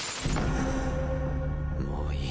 もういい